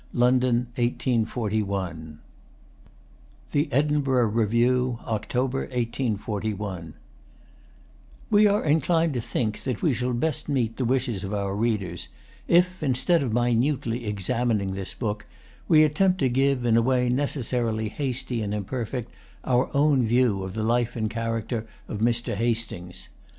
London: 1841. [Pg 114] WARREN HASTINGS The Edinburgh Review, October, 1841 We are inclined to think that we shall best meet the wishes of our readers if, instead of minutely examining this book, we attempt to give, in a way necessarily hasty and imperfect, our own view of the life and character of Mr. Hastings.